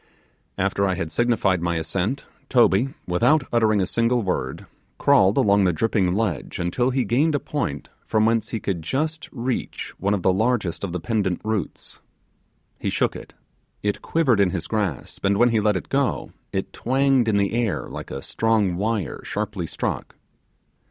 After I had signified my assent, Toby, without uttering a a single word, crawled along the dripping ledge until he gained a point from whence he could just reach one of the largest of the pendant roots; he shook it it quivered in his grasp, and when he let it go it twanged in the air like a strong, wire sharply struck.